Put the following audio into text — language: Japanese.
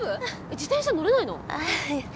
自転車乗れないの？